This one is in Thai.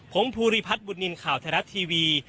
ผมภูริพัฒน์บุญนินทร์ข่าวไทยรัฐทีวี